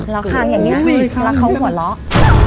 แล้วคางอย่างนี้แล้วเขาหัวเราะ